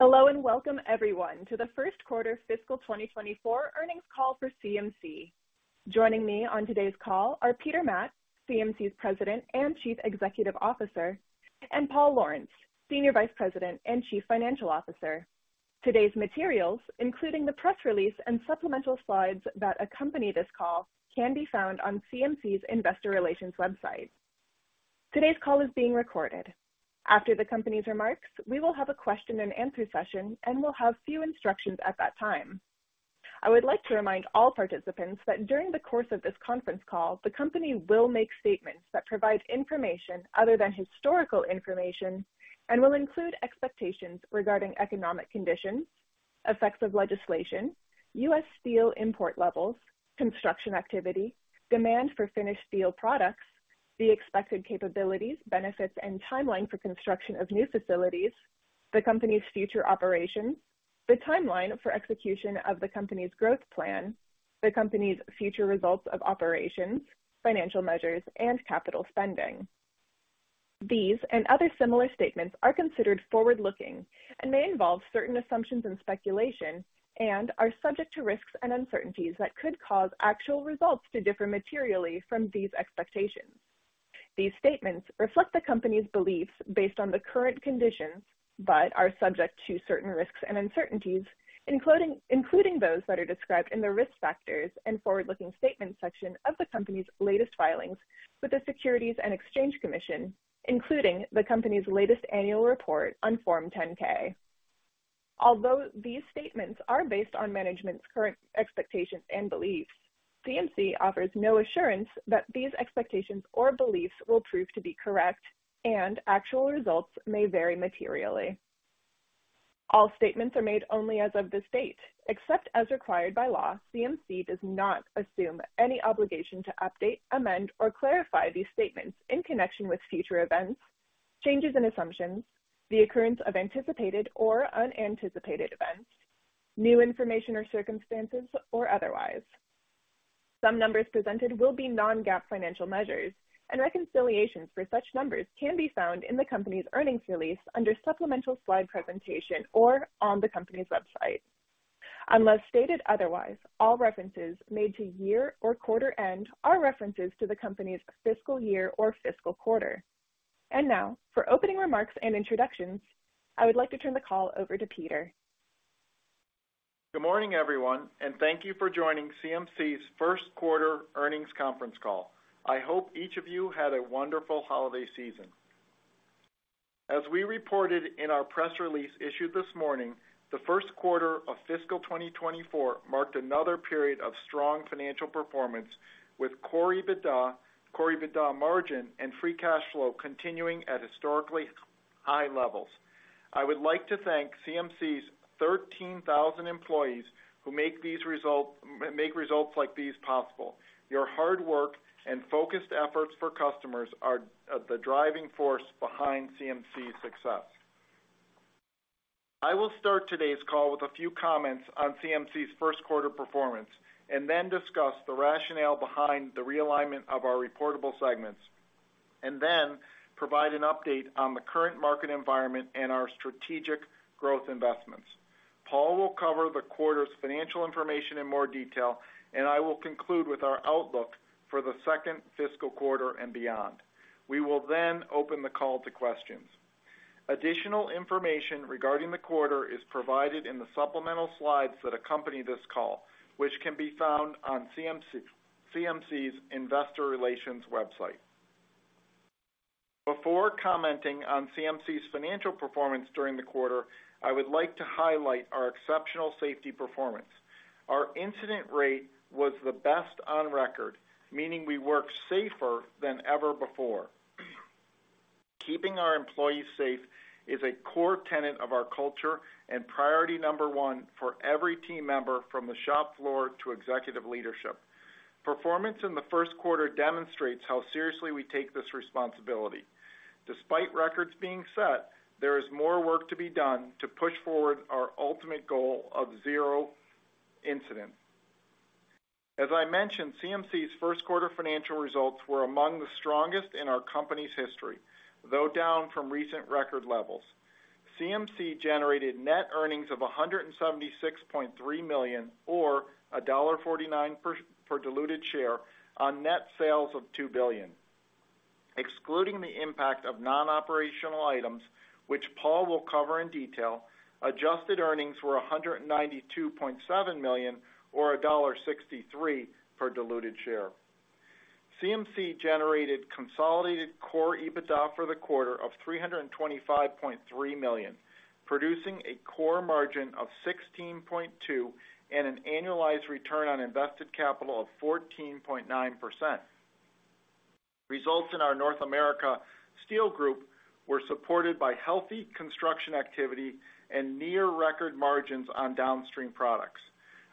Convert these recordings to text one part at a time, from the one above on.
Hello, and welcome everyone, to the Q1 fiscal 2024 earnings call for CMC. Joining me on today's call are Peter Matt, CMC's President and Chief Executive Officer, and Paul Lawrence, Senior Vice President and Chief Financial Officer. Today's materials, including the press release and supplemental slides that accompany this call, can be found on CMC's Investor Relations website. Today's call is being recorded. After the company's remarks, we will have a Q&A session and will have few instructions at that time. I would like to remind all participants that during the course of this conference call, the company will make statements that provide information other than historical information and will include expectations regarding economic conditions, effects of legislation, U.S. steel import levels, construction activity, demand for finished steel products, the expected capabilities, benefits, and timeline for construction of new facilities, the company's future operations, the timeline for execution of the company's growth plan, the company's future results of operations, financial measures, and capital spending. These and other similar statements are considered forward-looking and may involve certain assumptions and speculation, and are subject to risks and uncertainties that could cause actual results to differ materially from these expectations. These statements reflect the company's beliefs based on the current conditions, but are subject to certain risks and uncertainties, including those that are described in the Risk Factors and Forward-Looking Statement section of the company's latest filings with the Securities and Exchange Commission, including the company's latest annual report on Form 10-K. Although these statements are based on management's current expectations and beliefs, CMC offers no assurance that these expectations or beliefs will prove to be correct, and actual results may vary materially. All statements are made only as of this date. Except as required by law, CMC does not assume any obligation to update, amend, or clarify these statements in connection with future events, changes in assumptions, the occurrence of anticipated or unanticipated events, new information or circumstances, or otherwise. Some numbers presented will be non-GAAP financial measures, and reconciliations for such numbers can be found in the company's earnings release under supplemental slide presentation or on the company's website. Unless stated otherwise, all references made to year or quarter end are references to the company's fiscal year or fiscal quarter. And now, for opening remarks and introductions, I would like to turn the call over to Peter. Good morning, everyone, and thank you for joining CMC's Q1 earnings conference call. I hope each of you had a wonderful holiday season. As we reported in our press release issued this morning, the Q1 of fiscal 2024 marked another period of strong financial performance, with core EBITDA, core EBITDA margin, and free cash flow continuing at historically high levels. I would like to thank CMC's 13,000 employees who make results like these possible. Your hard work and focused efforts for customers are the driving force behind CMC's success. I will start today's call with a few comments on CMC's Q1 performance, and then discuss the rationale behind the realignment of our reportable segments, and then provide an update on the current market environment and our strategic growth investments. Paul will cover the quarter's financial information in more detail, and I will conclude with our outlook for the second fiscal quarter and beyond. We will then open the call to questions. Additional information regarding the quarter is provided in the supplemental slides that accompany this call, which can be found on CMC's Investor Relations website. Before commenting on CMC's financial performance during the quarter, I would like to highlight our exceptional safety performance. Our incident rate was the best on record, meaning we worked safer than ever before. Keeping our employees safe is a core tenet of our culture and priority number one for every team member, from the shop floor to executive leadership. Performance in the Q1 demonstrates how seriously we take this responsibility. Despite records being set, there is more work to be done to push forward our ultimate goal of zero incidents. As I mentioned, CMC's Q1 financial results were among the strongest in our company's history, though down from recent record levels. CMC generated net earnings of $176.3 million, or $1.49 per diluted share on net sales of $2 billion. Excluding the impact of non-operational items, which Paul will cover in detail, adjusted earnings were $192.7 million, or $1.63 per diluted share. CMC generated consolidated core EBITDA for the quarter of $325.3 million, producing a core margin of 16.2 and an annualized return on invested capital of 14.9%. Results in our North America Steel Group were supported by healthy construction activity and near-record margins on downstream products.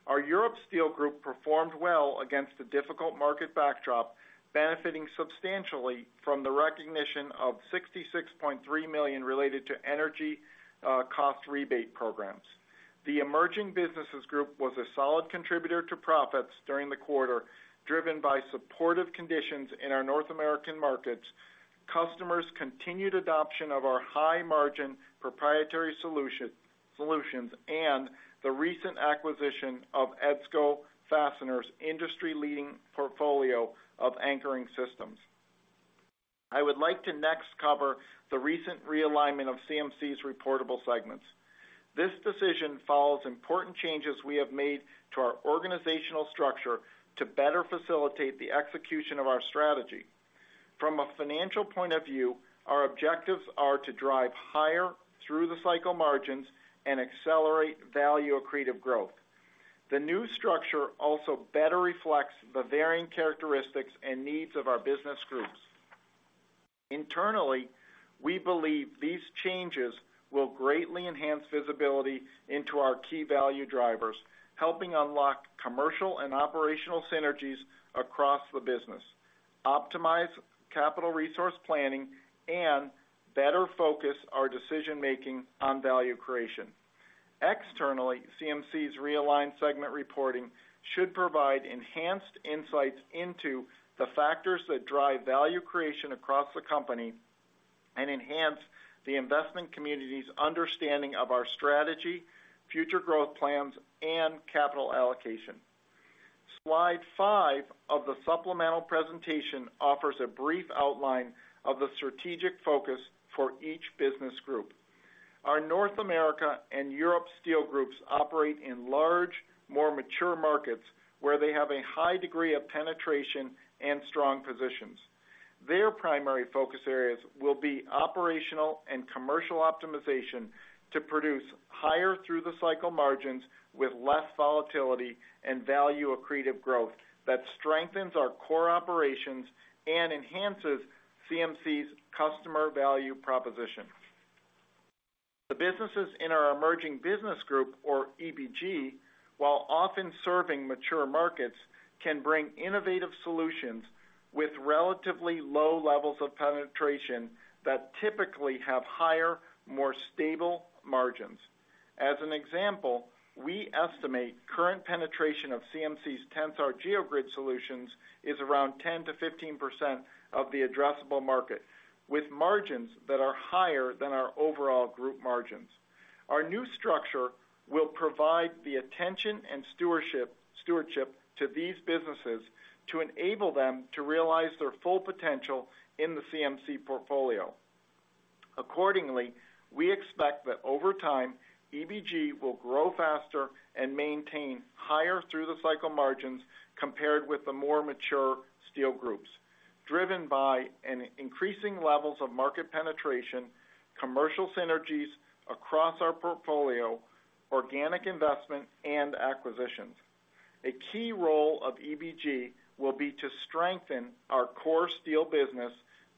Our Europe Steel Group performed well against a difficult market backdrop, benefiting substantially from the recognition of 66.3 million related to energy, cost rebate programs. The Emerging Businesses Group was a solid contributor to profits during the quarter, driven by supportive conditions in our North American markets, customers' continued adoption of our high-margin proprietary solution, solutions, and the recent acquisition of EDSCO Fasteners' industry-leading portfolio of anchoring systems. I would like to next cover the recent realignment of CMC's reportable segments. This decision follows important changes we have made to our organizational structure to better facilitate the execution of our strategy. From a financial point of view, our objectives are to drive higher through-the-cycle margins and accelerate value-accretive growth. The new structure also better reflects the varying characteristics and needs of our business groups. Internally, we believe these changes will greatly enhance visibility into our key value drivers, helping unlock commercial and operational synergies across the business, optimize capital resource planning, and better focus our decision-making on value creation. Externally, CMC's realigned segment reporting should provide enhanced insights into the factors that drive value creation across the company and enhance the investment community's understanding of our strategy, future growth plans, and capital allocation. Slide five of the supplemental presentation offers a brief outline of the strategic focus for each business group. Our North America and Europe Steel Groups operate in large, more mature markets, where they have a high degree of penetration and strong positions. Their primary focus areas will be operational and commercial optimization to produce higher through-the-cycle margins with less volatility and value-accretive growth that strengthens our core operations and enhances CMC's customer value proposition. The businesses in our Emerging Business Group, or EBG, while often serving mature markets, can bring innovative solutions with relatively low levels of penetration that typically have higher, more stable margins. As an example, we estimate current penetration of CMC's Tensar geogrid solutions is around 10%-15% of the addressable market, with margins that are higher than our overall group margins. Our new structure will provide the attention and stewardship to these businesses to enable them to realize their full potential in the CMC portfolio. Accordingly, we expect that over time, EBG will grow faster and maintain higher through-the-cycle margins compared with the more mature steel groups, driven by an increasing levels of market penetration, commercial synergies across our portfolio, organic investment, and acquisitions. A key role of EBG will be to strengthen our core steel business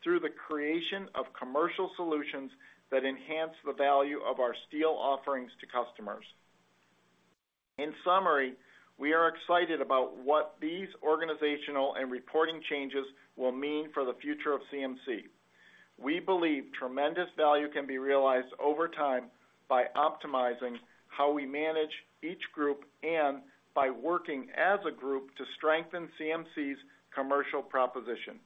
through the creation of commercial solutions that enhance the value of our steel offerings to customers. In summary, we are excited about what these organizational and reporting changes will mean for the future of CMC. We believe tremendous value can be realized over time by optimizing how we manage each group and by working as a group to strengthen CMC's commercial proposition.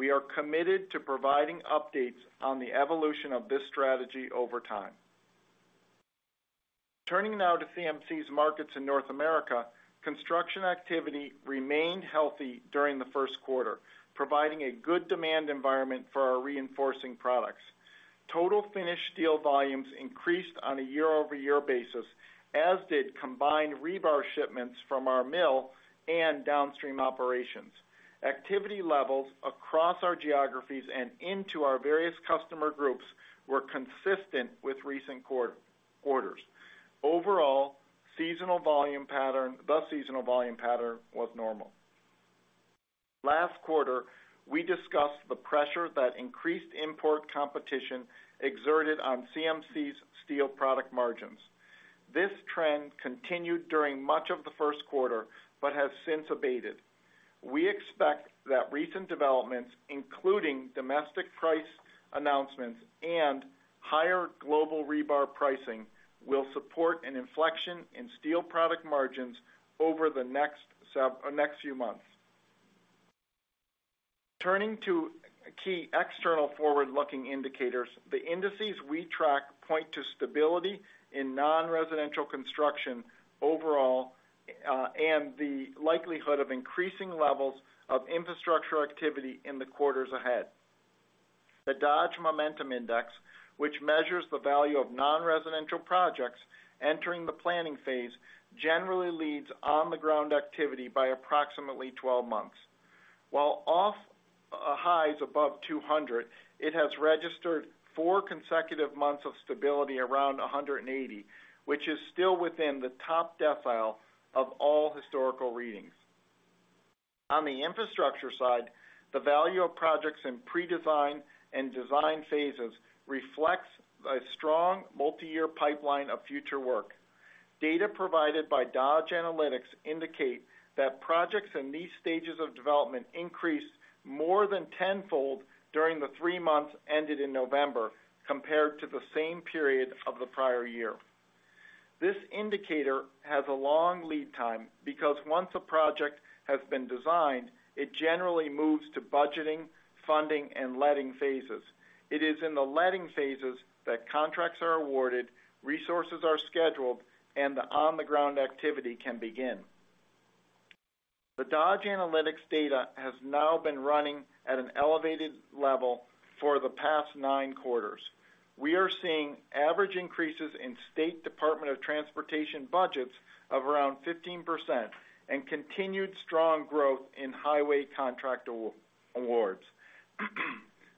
We are committed to providing updates on the evolution of this strategy over time. Turning now to CMC's markets in North America, construction activity remained healthy during the Q1, providing a good demand environment for our reinforcing products. Total finished steel volumes increased on a year-over-year basis, as did combined rebar shipments from our mill and downstream operations. Activity levels across our geographies and into our various customer groups were consistent with recent quarters. Overall, the seasonal volume pattern was normal. Last quarter, we discussed the pressure that increased import competition exerted on CMC's steel product margins. This trend continued during much of the Q1, but has since abated. We expect that recent developments, including domestic price announcements and higher global rebar pricing, will support an inflection in steel product margins over the next few months. Turning to key external forward-looking indicators, the indices we track point to stability in non-residential construction overall, and the likelihood of increasing levels of infrastructure activity in the quarters ahead. The Dodge Momentum Index, which measures the value of non-residential projects entering the planning phase, generally leads on-the-ground activity by approximately 12 months. While off highs above 200, it has registered four consecutive months of stability around 180, which is still within the top decile of all historical readings. On the infrastructure side, the value of projects in pre-design and design phases reflects a strong multiyear pipeline of future work. Data provided by Dodge Analytics indicate that projects in these stages of development increased more than tenfold during the three months ended in November, compared to the same period of the prior year. This indicator has a long lead time because once a project has been designed, it generally moves to budgeting, funding, and letting phases. It is in the letting phases that contracts are awarded, resources are scheduled, and the on-the-ground activity can begin. The Dodge Analytics data has now been running at an elevated level for the past nine quarters. We are seeing average increases in State Department of Transportation budgets of around 15% and continued strong growth in highway contract awards.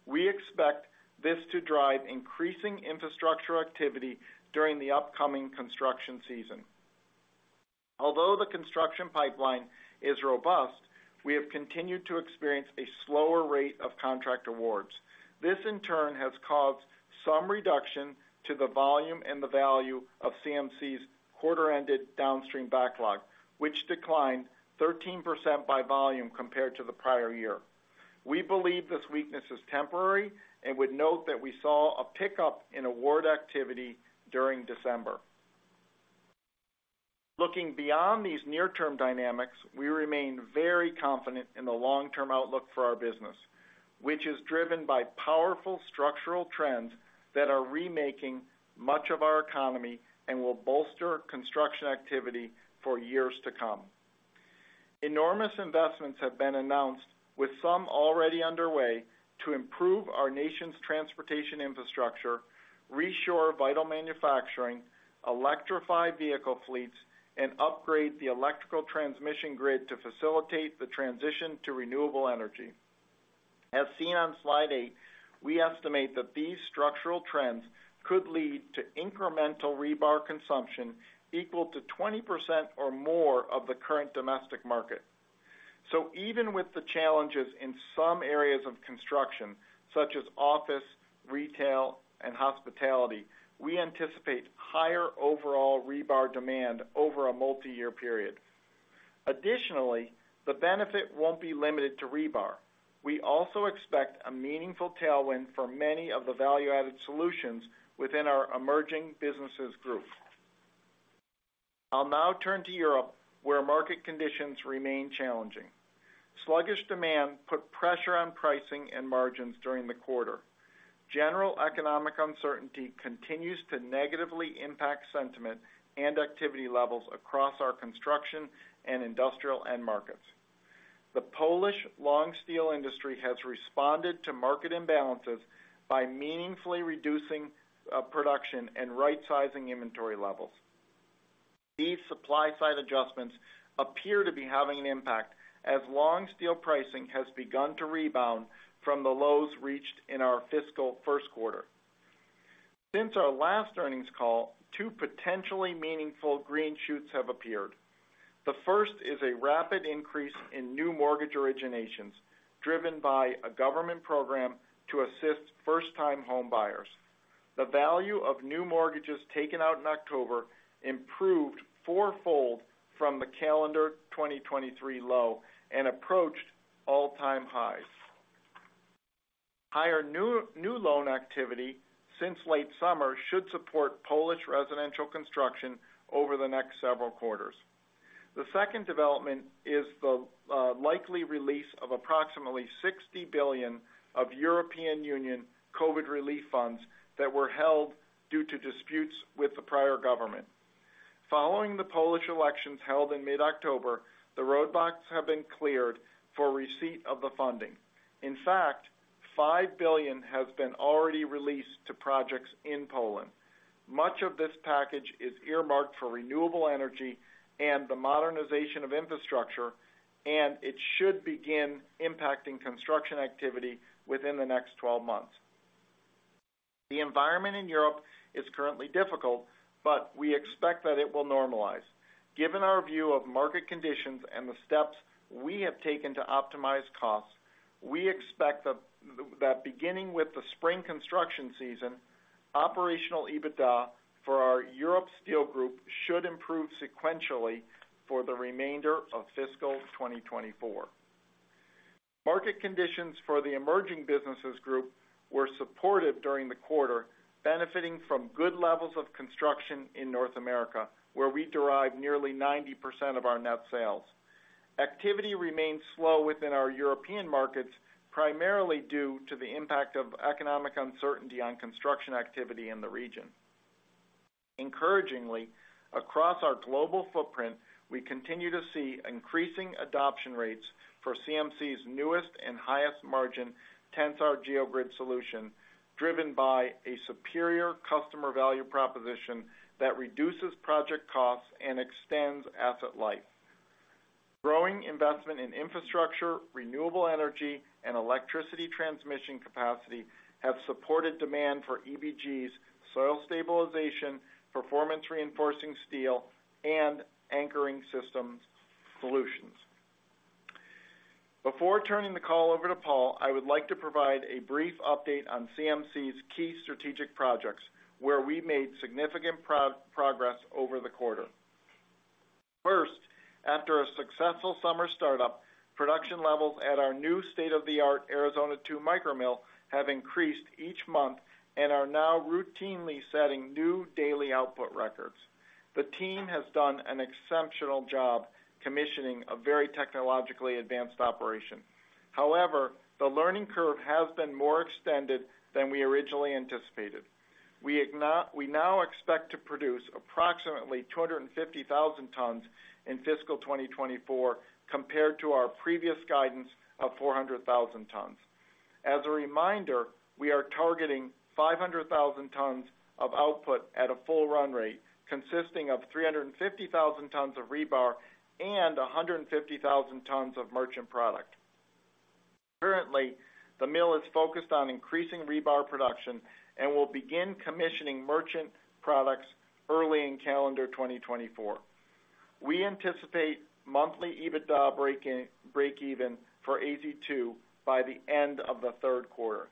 We expect this to drive increasing infrastructure activity during the upcoming construction season. Although the construction pipeline is robust, we have continued to experience a slower rate of contract awards. This, in turn, has caused some reduction to the volume and the value of CMC's quarter-ended downstream backlog, which declined 13% by volume compared to the prior year. We believe this weakness is temporary and would note that we saw a pickup in award activity during December. Looking beyond these near-term dynamics, we remain very confident in the long-term outlook for our business, which is driven by powerful structural trends that are remaking much of our economy and will bolster construction activity for years to come. Enormous investments have been announced, with some already underway, to improve our nation's transportation infrastructure, reshore vital manufacturing, electrify vehicle fleets, and upgrade the electrical transmission grid to facilitate the transition to renewable energy. As seen on Slide 8, we estimate that these structural trends could lead to incremental rebar consumption equal to 20% or more of the current domestic market. So even with the challenges in some areas of construction, such as office, retail, and hospitality, we anticipate higher overall rebar demand over a multiyear period. Additionally, the benefit won't be limited to rebar. We also expect a meaningful tailwind for many of the value-added solutions within our Emerging Businesses Group. I'll now turn to Europe, where market conditions remain challenging. Sluggish demand put pressure on pricing and margins during the quarter. General economic uncertainty continues to negatively impact sentiment and activity levels across our construction and industrial end markets. The Polish long steel industry has responded to market imbalances by meaningfully reducing production and rightsizing inventory levels. These supply-side adjustments appear to be having an impact, as long steel pricing has begun to rebound from the lows reached in our fiscal Q1. Since our last earnings call, two potentially meaningful green shoots have appeared. The first is a rapid increase in new mortgage originations, driven by a government program to assist first-time homebuyers. The value of new mortgages taken out in October improved fourfold from the calendar 2023 low and approached all-time highs. Higher new, new loan activity since late summer should support Polish residential construction over the next several quarters. The second development is the likely release of approximately 60 billion of European Union COVID relief funds that were held due to disputes with the prior government. Following the Polish elections held in mid-October, the roadblocks have been cleared for receipt of the funding. In fact, 5 billion has been already released to projects in Poland. Much of this package is earmarked for renewable energy and the modernization of infrastructure, and it should begin impacting construction activity within the next 12 months. The environment in Europe is currently difficult, but we expect that it will normalize. Given our view of market conditions and the steps we have taken to optimize costs, we expect that beginning with the spring construction season, operational EBITDA for our Europe Steel Group should improve sequentially for the remainder of fiscal 2024. Market conditions for the Emerging Businesses Group were supportive during the quarter, benefiting from good levels of construction in North America, where we derive nearly 90% of our net sales. Activity remains slow within our European markets, primarily due to the impact of economic uncertainty on construction activity in the region. Encouragingly, across our global footprint, we continue to see increasing adoption rates for CMC's newest and highest-margin Tensar geogrid solution, driven by a superior customer value proposition that reduces project costs and extends asset life. Growing investment in infrastructure, renewable energy, and electricity transmission capacity have supported demand for EBG's soil stabilization, performance-reinforcing steel, and anchoring systems solutions. Before turning the call over to Paul, I would like to provide a brief update on CMC's key strategic projects, where we made significant progress over the quarter.... After a successful summer startup, production levels at our new state-of-the-art Arizona 2 micro mill have increased each month and are now routinely setting new daily output records. The team has done an exceptional job commissioning a very technologically advanced operation. However, the learning curve has been more extended than we originally anticipated. We now expect to produce approximately 250,000 tons in fiscal 2024, compared to our previous guidance of 400,000 tons. As a reminder, we are targeting 500,000 tons of output at a full run rate, consisting of 350,000 tons of rebar and 150,000 tons of merchant product. Currently, the mill is focused on increasing rebar production and will begin commissioning merchant products early in calendar 2024. We anticipate monthly EBITDA breakeven for AZ2 by the end of the Q3.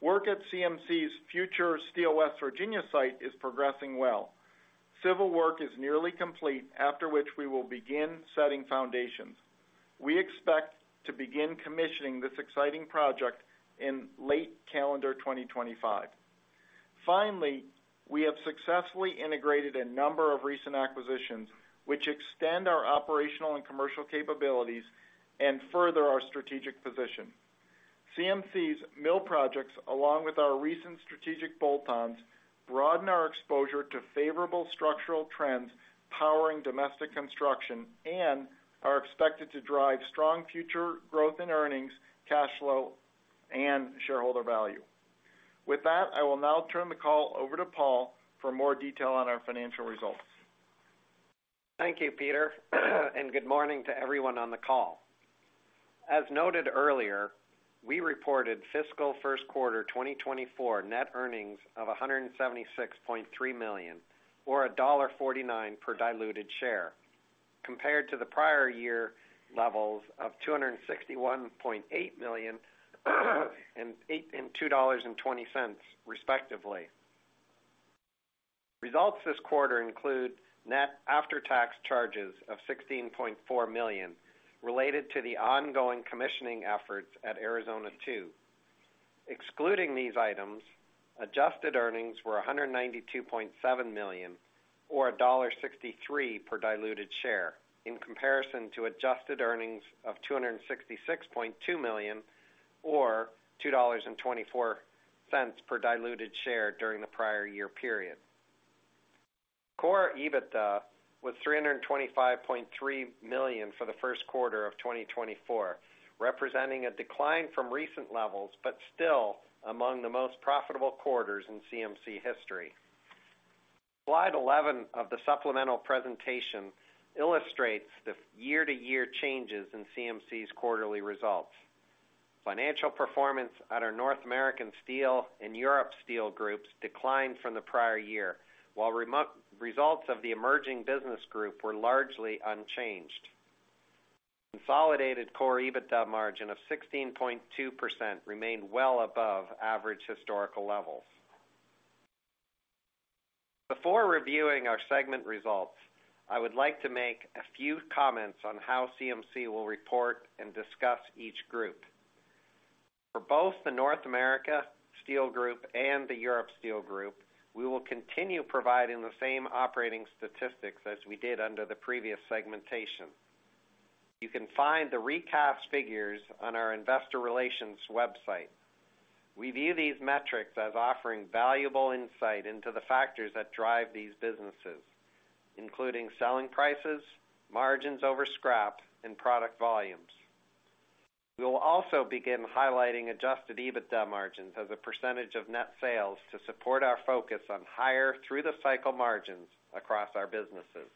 Work at CMC's future Steel West Virginia site is progressing well. Civil work is nearly complete, after which we will begin setting foundations. We expect to begin commissioning this exciting project in late calendar 2025. Finally, we have successfully integrated a number of recent acquisitions, which extend our operational and commercial capabilities and further our strategic position. CMC's mill projects, along with our recent strategic bolt-ons, broaden our exposure to favorable structural trends, powering domestic construction, and are expected to drive strong future growth in earnings, cash flow, and shareholder value. With that, I will now turn the call over to Paul for more detail on our financial results. Thank you, Peter, and good morning to everyone on the call. As noted earlier, we reported fiscal Q1 2024 net earnings of $176.3 million, or $1.49 per diluted share, compared to the prior year levels of $261.8 million, and $2.20, respectively. Results this quarter include net after-tax charges of $16.4 million, related to the ongoing commissioning efforts at Arizona two. Excluding these items, adjusted earnings were $192.7 million, or $1.63 per diluted share, in comparison to adjusted earnings of $266.2 million or $2.24 per diluted share during the prior year period. Core EBITDA was $325.3 million for the Q1 of 2024, representing a decline from recent levels, but still among the most profitable quarters in CMC history. Slide 11 of the supplemental presentation illustrates the year-to-year changes in CMC's quarterly results. Financial performance at our North America Steel Group and Europe Steel Group declined from the prior year, while results of the emerging business group were largely unchanged. Consolidated core EBITDA margin of 16.2% remained well above average historical levels. Before reviewing our segment results, I would like to make a few comments on how CMC will report and discuss each group. For both the North America Steel Group and the Europe Steel Group, we will continue providing the same operating statistics as we did under the previous segmentation. You can find the recast figures on our investor relations website. We view these metrics as offering valuable insight into the factors that drive these businesses, including selling prices, margins over scrap, and product volumes. We will also begin highlighting Adjusted EBITDA margins as a percentage of net sales to support our focus on higher through-the-cycle margins across our businesses.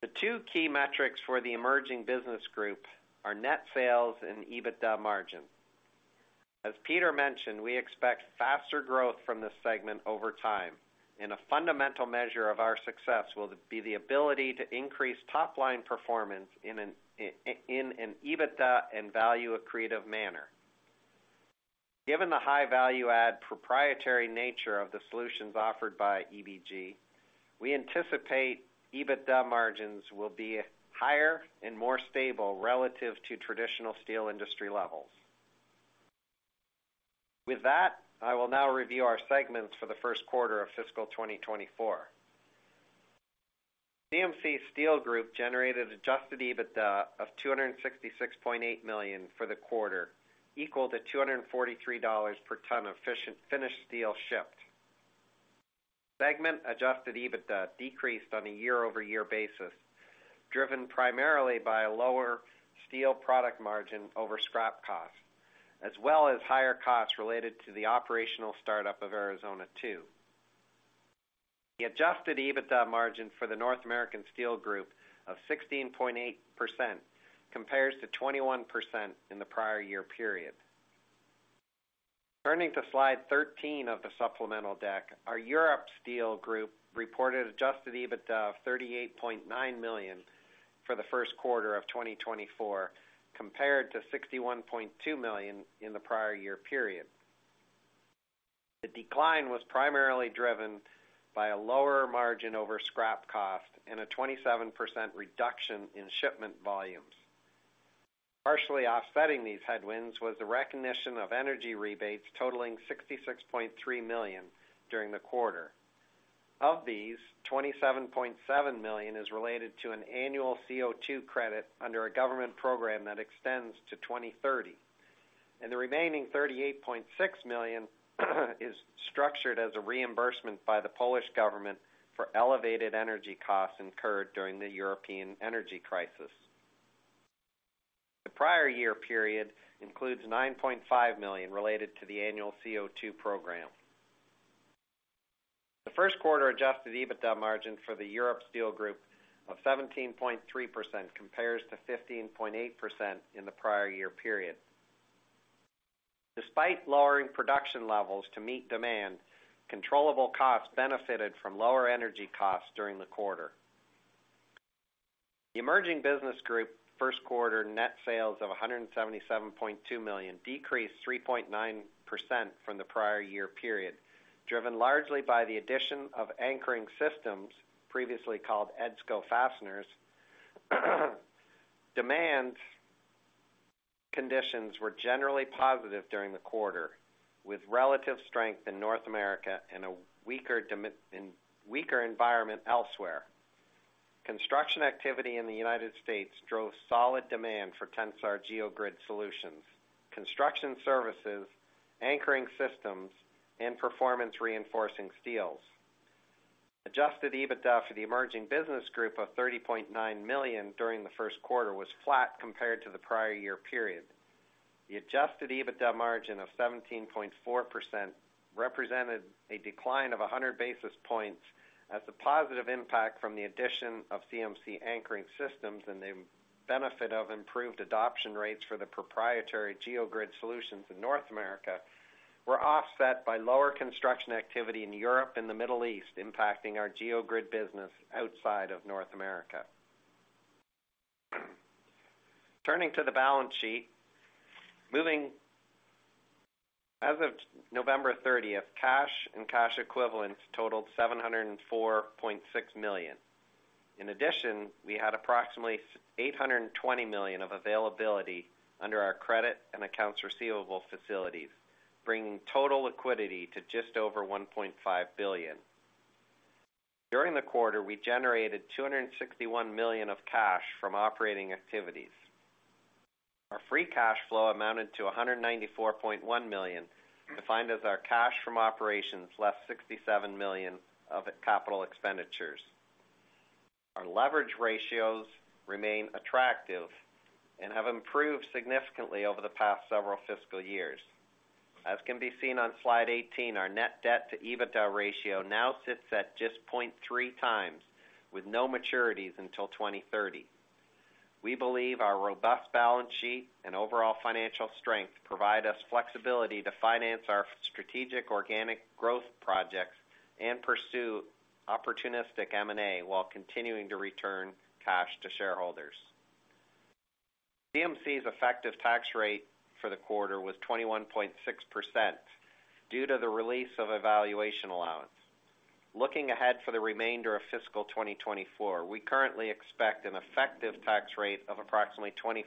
The two key metrics for the emerging business group are net sales and EBITDA margin. As Peter mentioned, we expect faster growth from this segment over time, and a fundamental measure of our success will be the ability to increase top-line performance in an EBITDA and value-accretive manner. Given the high value add proprietary nature of the solutions offered by EBG, we anticipate EBITDA margins will be higher and more stable relative to traditional steel industry levels. With that, I will now review our segments for the Q1 of fiscal 2024. CMC Steel Group generated adjusted EBITDA of $266.8 million for the quarter, equal to $243 per ton of finished steel shipped. Segment adjusted EBITDA decreased on a year-over-year basis, driven primarily by a lower steel product margin over scrap costs, as well as higher costs related to the operational startup of Arizona 2. The adjusted EBITDA margin for the North American Steel Group of 16.8% compares to 21% in the prior year period. Turning to slide thirteen of the supplemental deck, our Europe Steel Group reported adjusted EBITDA of $38.9 million for the Q1 of 2024, compared to $61.2 million in the prior year period. The decline was primarily driven by a lower margin over scrap cost and a 27% reduction in shipment volumes. Partially offsetting these headwinds was the recognition of energy rebates totaling $66.3 million during the quarter. Of these, $27.7 million is related to an annual CO₂ credit under a government program that extends to 2030, and the remaining $38.6 million is structured as a reimbursement by the Polish government for elevated energy costs incurred during the European energy crisis. The prior year period includes $9.5 million related to the annual CO₂ program. The Q1 Adjusted EBITDA margin for the Europe Steel Group of 17.3% compares to 15.8% in the prior year period. Despite lowering production levels to meet demand, controllable costs benefited from lower energy costs during the quarter. The Emerging Business Group Q1 net sales of $177.2 million decreased 3.9% from the prior year period, driven largely by the addition of anchoring systems, previously called EDSCO Fasteners. Demand conditions were generally positive during the quarter, with relative strength in North America and a weaker demand in a weaker environment elsewhere. Construction activity in the United States drove solid demand for Tensar geogrid solutions, construction services, anchoring systems, and performance-reinforcing steels. Adjusted EBITDA for the Emerging Business Group of $30.9 million during the Q1 was flat compared to the prior year period. The Adjusted EBITDA margin of 17.4% represented a decline of 100 basis points, as the positive impact from the addition of CMC anchoring systems and the benefit of improved adoption rates for the proprietary geogrid solutions in North America, were offset by lower construction activity in Europe and the Middle East, impacting our geogrid business outside of North America. Turning to the balance sheet. As of November thirtieth, cash and cash equivalents totaled $704.6 million. In addition, we had approximately $820 million of availability under our credit and accounts receivable facilities, bringing total liquidity to just over $1.5 billion. During the quarter, we generated $261 million of cash from operating activities. Our free cash flow amounted to $194.1 million, defined as our cash from operations, less $67 million of capital expenditures. Our leverage ratios remain attractive and have improved significantly over the past several fiscal years. As can be seen on slide 18, our net debt to EBITDA ratio now sits at just 0.3x, with no maturities until 2030. We believe our robust balance sheet and overall financial strength provide us flexibility to finance our strategic organic growth projects and pursue opportunistic M&A, while continuing to return cash to shareholders. CMC's effective tax rate for the quarter was 21.6% due to the release of a valuation allowance. Looking ahead for the remainder of fiscal 2024, we currently expect an effective tax rate of approximately 24%,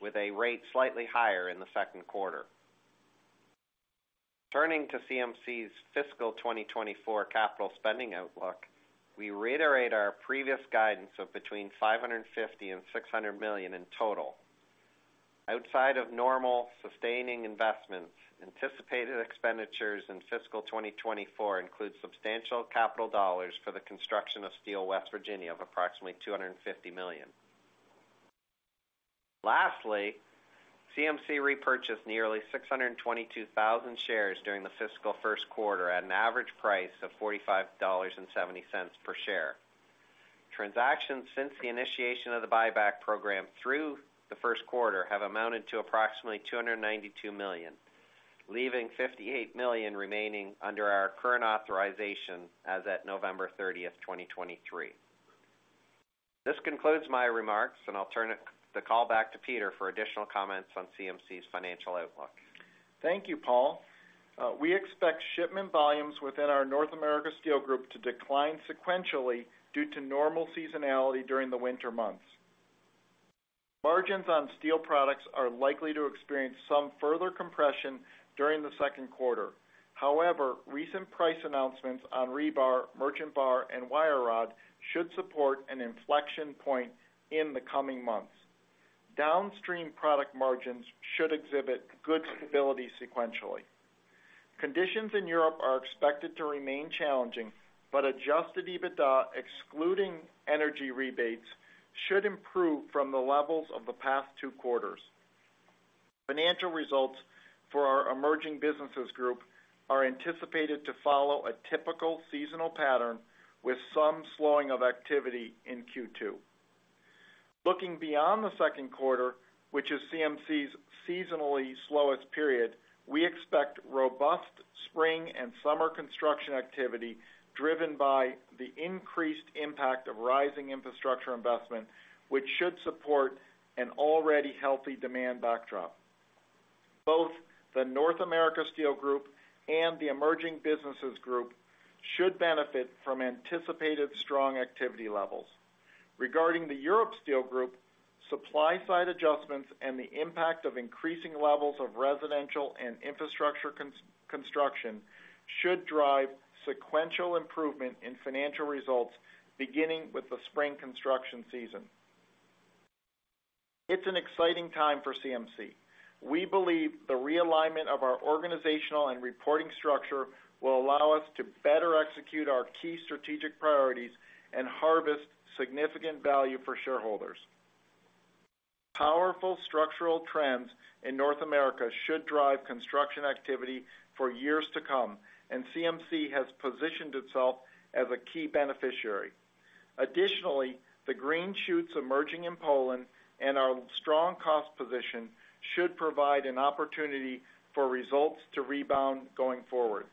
with a rate slightly higher in the Q2. Turning to CMC's fiscal 2024 capital spending outlook, we reiterate our previous guidance of between $550 million and $600 million in total. Outside of normal sustaining investments, anticipated expenditures in fiscal 2024 include substantial capital dollars for the construction of Steel West Virginia of approximately $250 million. Lastly, CMC repurchased nearly 622,000 shares during the fiscal Q1 at an average price of $45.70 per share. Transactions since the initiation of the buyback program through the Q1 have amounted to approximately $292 million, leaving $58 million remaining under our current authorization as at November 30, 2023. This concludes my remarks, and I'll turn the call back to Peter for additional comments on CMC's financial outlook. Thank you, Paul. We expect shipment volumes within our North America Steel Group to decline sequentially due to normal seasonality during the winter months. Margins on steel products are likely to experience some further compression during the Q2. However, recent price announcements on rebar, merchant bar, and wire rod should support an inflection point in the coming months. Downstream product margins should exhibit good stability sequentially. Conditions in Europe are expected to remain challenging, but adjusted EBITDA, excluding energy rebates, should improve from the levels of the past two quarters. Financial results for our Emerging Businesses Group are anticipated to follow a typical seasonal pattern, with some slowing of activity in Q2. Looking beyond the Q2, which is CMC's seasonally slowest period, we expect robust spring and summer construction activity, driven by the increased impact of rising infrastructure investment, which should support an already healthy demand backdrop. Both the North America Steel Group and the Emerging Businesses Group should benefit from anticipated strong activity levels. Regarding the Europe Steel Group, supply side adjustments and the impact of increasing levels of residential and infrastructure construction should drive sequential improvement in financial results, beginning with the spring construction season. It's an exciting time for CMC. We believe the realignment of our organizational and reporting structure will allow us to better execute our key strategic priorities and harvest significant value for shareholders. Powerful structural trends in North America should drive construction activity for years to come, and CMC has positioned itself as a key beneficiary. Additionally, the green shoots emerging in Poland and our strong cost position should provide an opportunity for results to rebound going forward.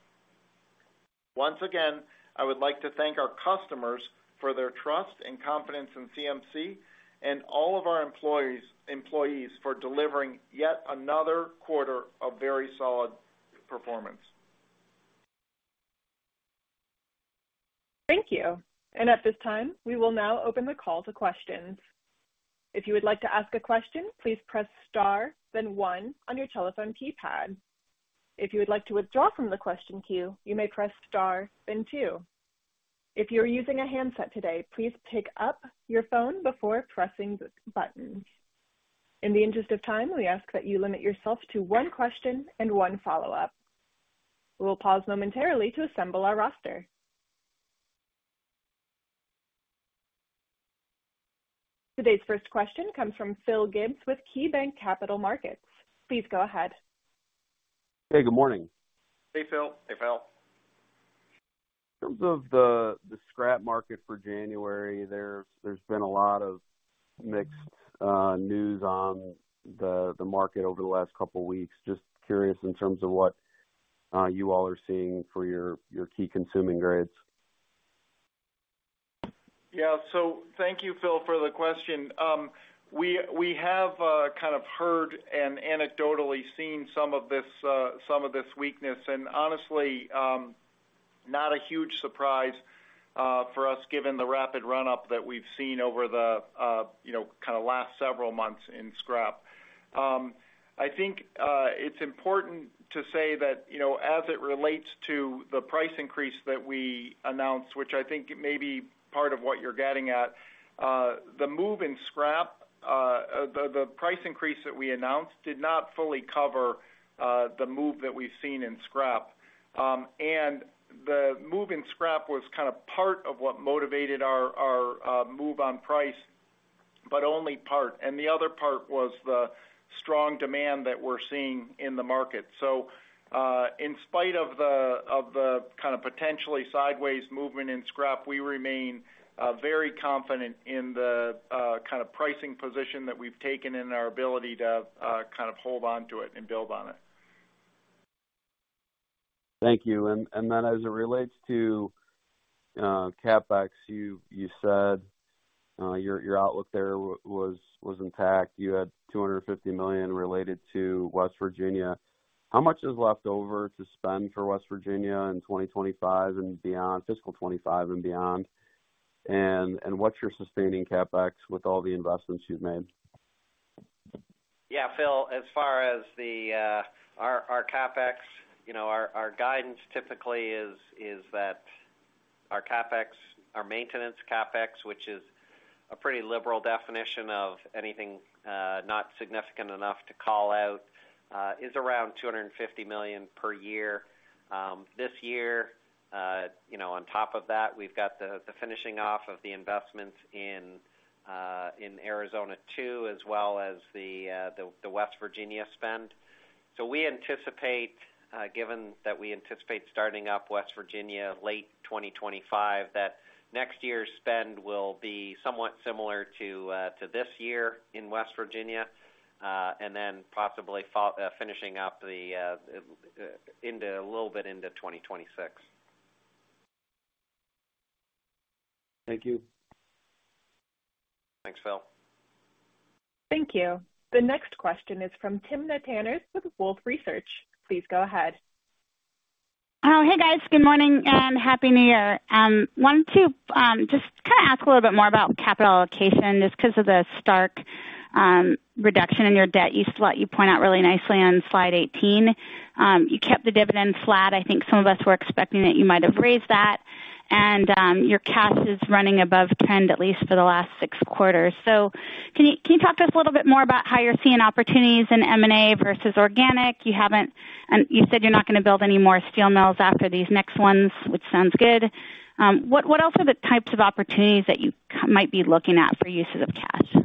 Once again, I would like to thank our customers for their trust and confidence in CMC, and all of our employees for delivering yet another quarter of very solid performance. Thank you. At this time, we will now open the call to questions. If you would like to ask a question, please press star, then one on your telephone keypad. If you would like to withdraw from the question queue, you may press star, then two. If you're using a handset today, please pick up your phone before pressing the buttons. In the interest of time, we ask that you limit yourself to one question and one follow-up. We will pause momentarily to assemble our roster. Today's first question comes from Phil Gibbs with KeyBanc Capital Markets. Please go ahead. Hey, good morning. Hey, Phil. Hey, Phil. In terms of the scrap market for January, there's been a lot of mixed news on the market over the last couple of weeks. Just curious in terms of what you all are seeing for your key consuming grades. Yeah. So thank you, Phil, for the question. We have kind of heard and anecdotally seen some of this weakness, and honestly, not a huge surprise for us, given the rapid run-up that we've seen over the, you know, kind of last several months in scrap. I think it's important to say that, you know, as it relates to the price increase that we announced, which I think may be part of what you're getting at, the move in scrap, the price increase that we announced did not fully cover the move that we've seen in scrap. And the move in scrap was kind of part of what motivated our move on price, but only part. And the other part was the strong demand that we're seeing in the market. So, in spite of the kind of potentially sideways movement in scrap, we remain very confident in the kind of pricing position that we've taken and our ability to kind of hold on to it and build on it. Thank you. And then as it relates to CapEx, you said your outlook there was intact. You had $250 million related to West Virginia. How much is left over to spend for West Virginia in 2025 and beyond, fiscal 2025 and beyond? And what's your sustaining CapEx with all the investments you've made? Yeah, Phil, as far as the our CapEx, you know, our guidance typically is that our CapEx, our maintenance CapEx, which is a pretty liberal definition of anything not significant enough to call out, is around $250 million per year. This year, you know, on top of that, we've got the finishing off of the investments in Arizona 2, as well as the West Virginia spend. So we anticipate, given that we anticipate starting up West Virginia late 2025, that next year's spend will be somewhat similar to this year in West Virginia, and then possibly finishing up into a little bit into 2026. Thank you. Thanks, Phil. Thank you. The next question is from Timna Tanners with Wolfe Research. Please go ahead. Hey, guys. Good morning, and Happy New Year. Wanted to just kind of ask a little bit more about capital allocation, just because of the stark reduction in your debt, you—what you point out really nicely on slide 18. You kept the dividend flat. I think some of us were expecting that you might have raised that, and your cash is running above trend, at least for the last six quarters. So can you, can you talk to us a little bit more about how you're seeing opportunities in M&A versus organic? You haven't—you said you're not going to build any more steel mills after these next ones, which sounds good. What, what else are the types of opportunities that you might be looking at for uses of cash?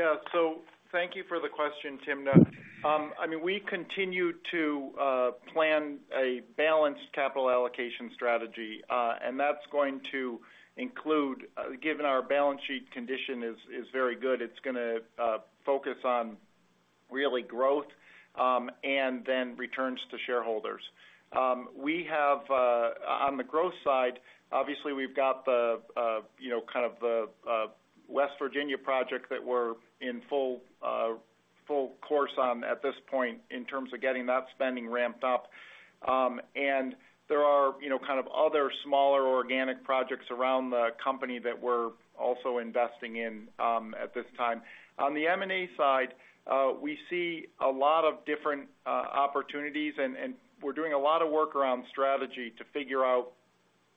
Yeah. So thank you for the question, Timna. I mean, we continue to plan a balanced capital allocation strategy, and that's going to include, given our balance sheet condition is very good, it's gonna focus on really growth, and then returns to shareholders. We have, on the growth side, obviously, we've got the, you know, kind of the West Virginia project that we're in full course on at this point in terms of getting that spending ramped up. And there are, you know, kind of other smaller organic projects around the company that we're also investing in, at this time. On the M&A side, we see a lot of different opportunities, and we're doing a lot of work around strategy to figure out,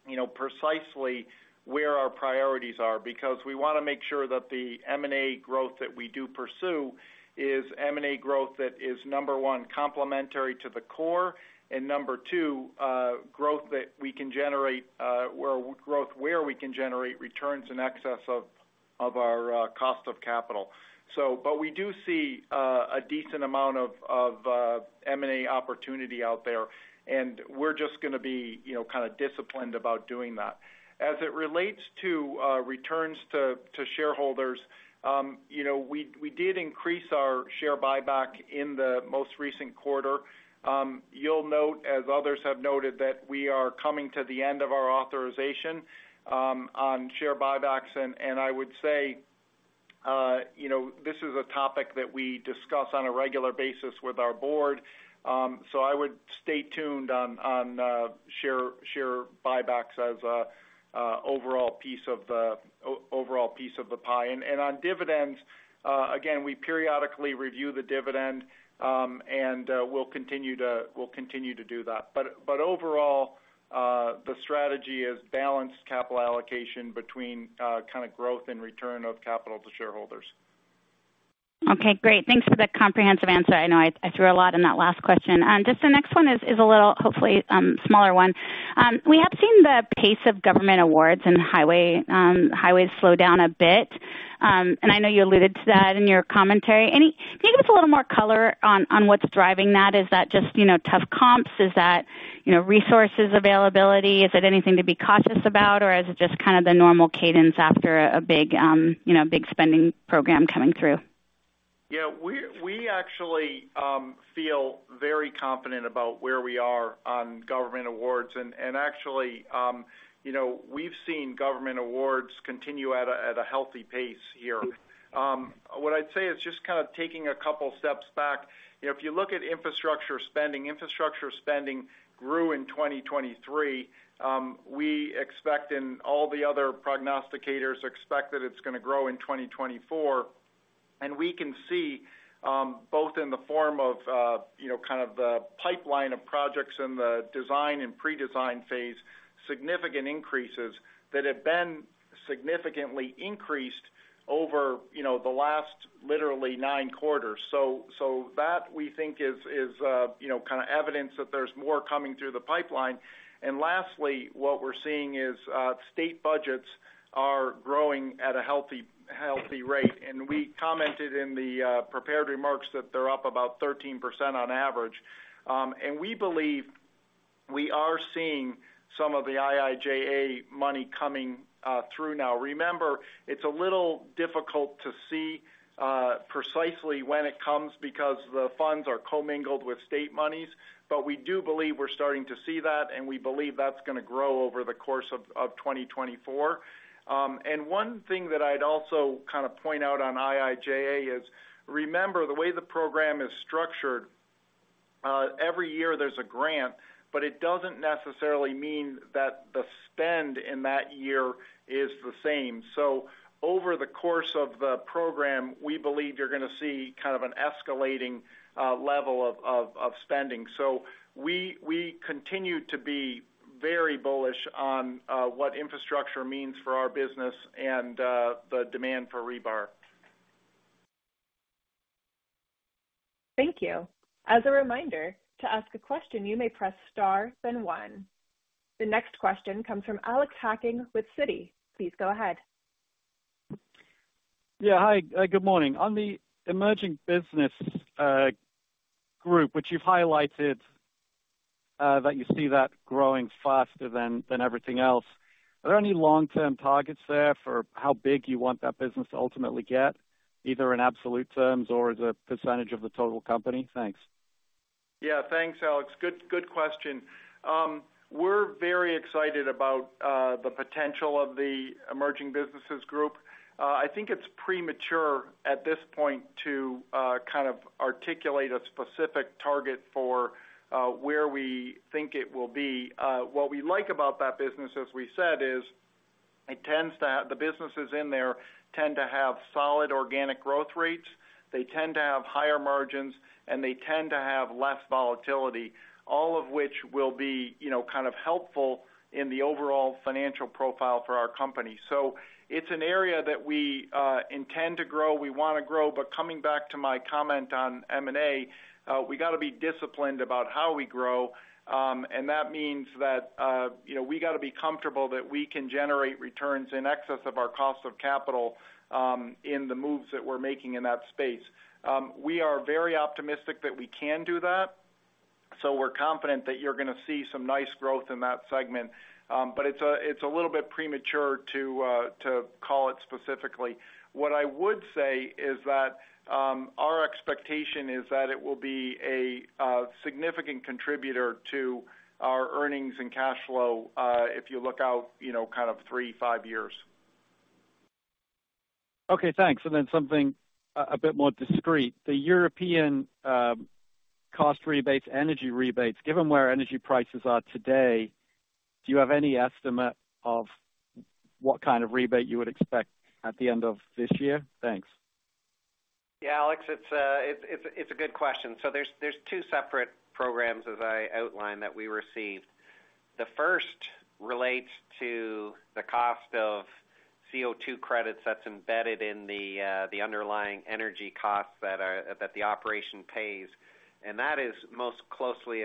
you know, precisely where our priorities are. Because we wanna make sure that the M&A growth that we do pursue is M&A growth that is, number one, complementary to the core, and number two, growth that we can generate, growth where we can generate returns in excess of, of our, cost of capital. So but we do see, a decent amount of, of, M&A opportunity out there, and we're just gonna be, you know, kind of disciplined about doing that. As it relates to, returns to, to shareholders, you know, we, we did increase our share buyback in the most recent quarter. You'll note, as others have noted, that we are coming to the end of our authorization, on share buybacks, and, and I would say, you know, this is a topic that we discuss on a regular basis with our board. So I would stay tuned on share buybacks as an overall piece of the pie. And on dividends, again, we periodically review the dividend, and we'll continue to do that. But overall, the strategy is balanced capital allocation between kind of growth and return of capital to shareholders. Okay, great. Thanks for the comprehensive answer. I know I threw a lot in that last question. Just the next one is a little, hopefully, smaller one. We have seen the pace of government awards and highway highways slow down a bit. And I know you alluded to that in your commentary. Can you give us a little more color on what's driving that? Is that just, you know, tough comps? Is that, you know, resources availability? Is it anything to be cautious about, or is it just kind of the normal cadence after a big, you know, big spending program coming through? Yeah, we actually feel very confident about where we are on government awards. And actually, you know, we've seen government awards continue at a healthy pace here. What I'd say is just kind of taking a couple steps back. If you look at infrastructure spending, infrastructure spending grew in 2023. We expect, and all the other prognosticators expect that it's gonna grow in 2024. And we can see, both in the form of, you know, kind of the pipeline of projects in the design and pre-design phase, significant increases that have been significantly increased over, you know, the last literally nine quarters. So that, we think, is, you know, kind of evidence that there's more coming through the pipeline. And lastly, what we're seeing is, state budgets are growing at a healthy, healthy rate, and we commented in the prepared remarks that they're up about 13% on average. And we believe we are seeing some of the IIJA money coming through now. Remember, it's a little difficult to see precisely when it comes because the funds are commingled with state monies. But we do believe we're starting to see that, and we believe that's gonna grow over the course of 2024. And one thing that I'd also kind of point out on IIJA is, remember, the way the program is structured, every year there's a grant, but it doesn't necessarily mean that the spend in that year is the same. So over the course of the program, we believe you're gonna see kind of an escalating level of spending. So we continue to be very bullish on what infrastructure means for our business and the demand for rebar. Thank you. As a reminder, to ask a question, you may press star, then one. The next question comes from Alex Hacking with Citi. Please go ahead. Yeah, hi. Good morning. On the emerging business group, which you've highlighted, that you see growing faster than everything else, are there any long-term targets there for how big you want that business to ultimately get, either in absolute terms or as a percentage of the total company? Thanks. Yeah, thanks, Alex. Good, good question. We're very excited about the potential of the emerging businesses group. I think it's premature at this point to kind of articulate a specific target for where we think it will be. What we like about that business, as we said, is it tends to have, the businesses in there tend to have solid organic growth rates, they tend to have higher margins, and they tend to have less volatility, all of which will be, you know, kind of helpful in the overall financial profile for our company. So it's an area that we intend to grow, we wanna grow. But coming back to my comment on M&A, we got to be disciplined about how we grow, and that means that, you know, we got to be comfortable that we can generate returns in excess of our cost of capital, in the moves that we're making in that space. We are very optimistic that we can do that.... So we're confident that you're gonna see some nice growth in that segment. But it's a little bit premature to call it specifically. What I would say is that, our expectation is that it will be a significant contributor to our earnings and cash flow, if you look out, you know, kind of 3, 5 years. Okay, thanks. And then something a bit more discreet. The European cost rebates, energy rebates, given where energy prices are today, do you have any estimate of what kind of rebate you would expect at the end of this year? Thanks. Yeah, Alex, it's a good question. So there's two separate programs, as I outlined, that we received. The first relates to the cost of CO2 credits that's embedded in the underlying energy costs that the operation pays, and that is most closely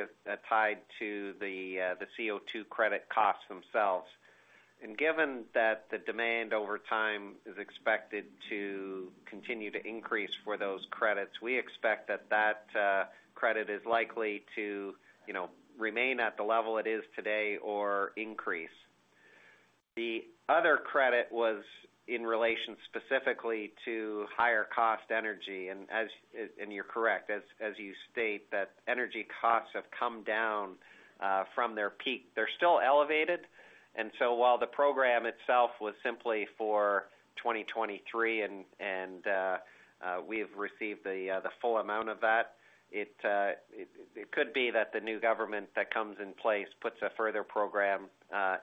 tied to the CO2 credit costs themselves. And given that the demand over time is expected to continue to increase for those credits, we expect that that credit is likely to, you know, remain at the level it is today or increase. The other credit was in relation specifically to higher cost energy. And as you're correct, as you state, that energy costs have come down from their peak. They're still elevated, and so while the program itself was simply for 2023 and we've received the full amount of that, it could be that the new government that comes in place puts a further program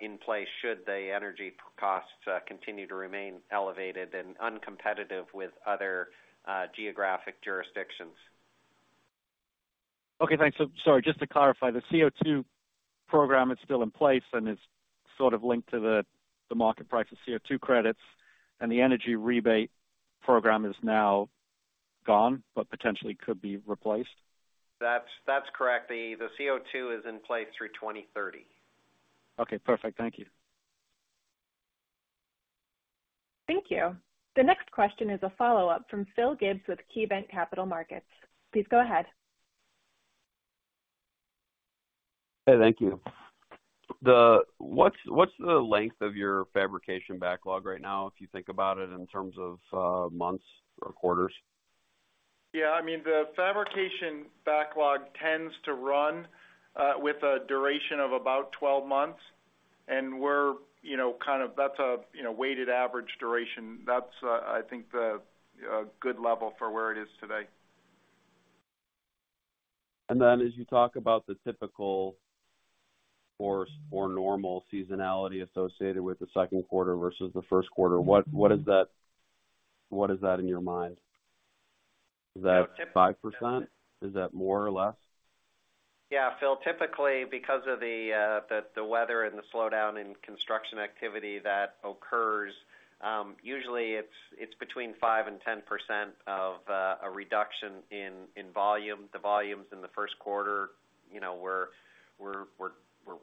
in place, should the energy costs continue to remain elevated and uncompetitive with other geographic jurisdictions. Okay, thanks. So sorry, just to clarify, the CO2 program is still in place, and it's sort of linked to the market price of CO2 credits, and the energy rebate program is now gone, but potentially could be replaced? That's correct. The CO2 is in place through 2030. Okay, perfect. Thank you. Thank you. The next question is a follow-up from Phil Gibbs with KeyBanc Capital Markets. Please go ahead. Hey, thank you. What's, what's the length of your fabrication backlog right now, if you think about it in terms of months or quarters? Yeah, I mean, the fabrication backlog tends to run with a duration of about 12 months, and we're, you know, kind of—that's a, you know, weighted average duration. That's, I think, a good level for where it is today. Then, as you talk about the typical or normal seasonality associated with the Q2 versus the Q1, what, what is that? What is that in your mind? Is that 5%? Is that more or less? Yeah, Phil, typically, because of the weather and the slowdown in construction activity that occurs, usually it's between 5% and 10% of a reduction in volume. The volumes in the Q1, you know, were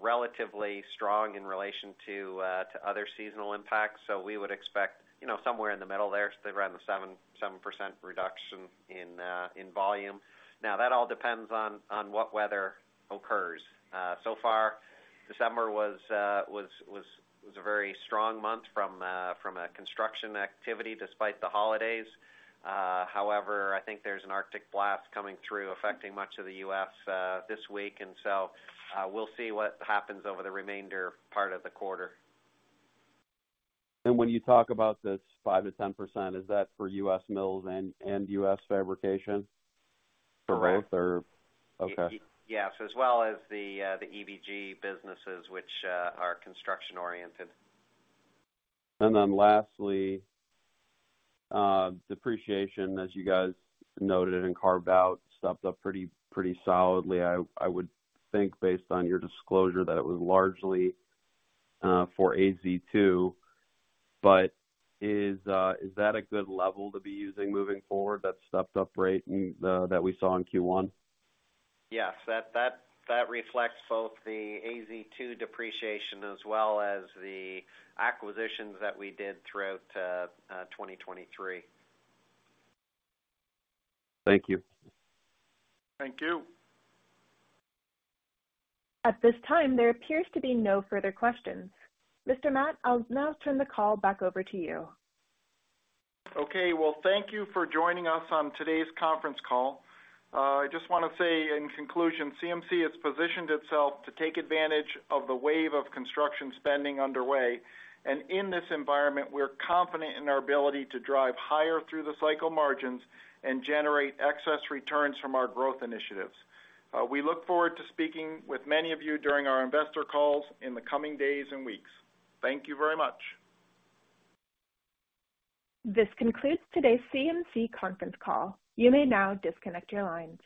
relatively strong in relation to other seasonal impacts, so we would expect, you know, somewhere in the middle there, so around the 7% reduction in volume. Now, that all depends on what weather occurs. So far, December was a very strong month from a construction activity despite the holidays. However, I think there's an Arctic blast coming through, affecting much of the U.S., this week, and so, we'll see what happens over the remainder part of the quarter. When you talk about this 5%-10%, is that for U.S. mills and U.S. fabrication? Correct. For both, or... Okay. Yes, as well as the EBG businesses, which are construction-oriented. Then lastly, depreciation, as you guys noted and carved out, stepped up pretty, pretty solidly. I would think, based on your disclosure, that it was largely for AZ2, but is that a good level to be using moving forward, that stepped up rate and that we saw in Q1? Yes. That reflects both the AZ2 depreciation as well as the acquisitions that we did throughout 2023. Thank you. Thank you. At this time, there appears to be no further questions. Mr. Matt, I'll now turn the call back over to you. Okay. Well, thank you for joining us on today's conference call. I just want to say, in conclusion, CMC has positioned itself to take advantage of the wave of construction spending underway, and in this environment, we're confident in our ability to drive higher through-the-cycle margins and generate excess returns from our growth initiatives. We look forward to speaking with many of you during our investor calls in the coming days and weeks. Thank you very much. This concludes today's CMC conference call. You may now disconnect your lines.